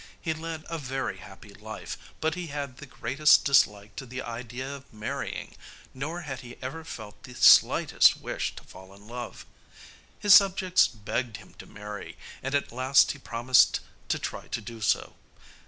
He led a very happy life, but he had the greatest dislike to the idea of marrying, nor had he ever felt the slightest wish to fall in love. His subjects begged him to marry, and at last he promised to try to do so.